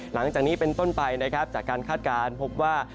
หลังจากนี้เป็นต้นไปนะครับจากการคาดการณ์พบว่า